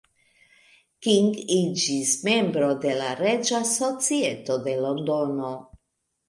King iĝis membro de la Reĝa Societo de Londono.